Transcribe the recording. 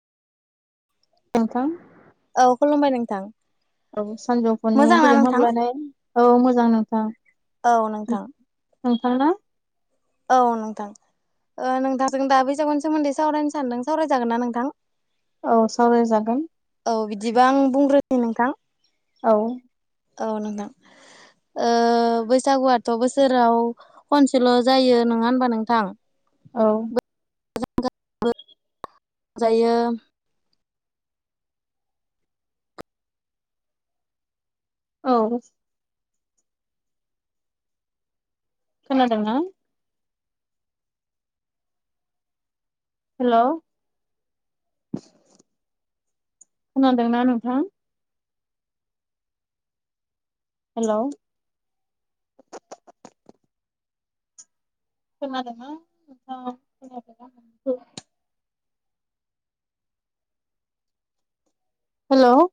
नोंथां। औ खुलुमबाय नोंथां। औ सानजौफुनि मोजांना गोजोन नोंथां हाब्लानाय औ मोजां नोंथां। औ नोंथां। नोंथांङा। औ नोंथां। ओ नोंथां जों दा बैसागुनि सोमोन्दै सावरायनो सानदों। सावरायजागोन ना नोंथां? औ सावरायजागोन। औ बिदिबा आं बुंग्रोनि नोंथां। औ। औ नोंथां। ओ बैसागु आथ' बोसोराव खनसेल' जायो नङा होनबा नोंथां। औ। [unintelligible] जायो। औ। खोनादोंना। हेलै'। खोनादों ना नोंथां। हेलै। खोनादोंना औ खोनादोंना ओ। हेलै।